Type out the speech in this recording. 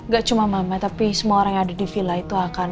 gak cuma mama tapi semua orang yang ada di villa itu akan